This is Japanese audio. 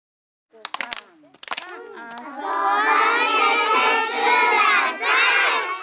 遊ばせて下さい！